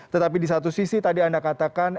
tetapi di satu sisi tadi anda katakan